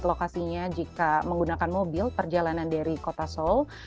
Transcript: lokasinya jika menggunakan mobil perjalanan dari kota seoul